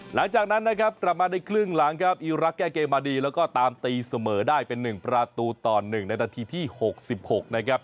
หลังจากนั้นนะครับกลับมาในครึ่งหลังครับอีรักษ์แก้เกมมาดีแล้วก็ตามตีเสมอได้เป็น๑ประตูต่อ๑ในนาทีที่๖๖นะครับ